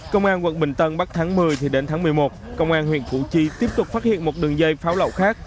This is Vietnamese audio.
công an quận bình tân bắt tháng một mươi thì đến tháng một mươi một công an huyện củ chi tiếp tục phát hiện một đường dây pháo lậu khác